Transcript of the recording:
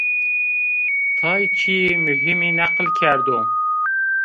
Tayê çîyê muhîmî neql kerdo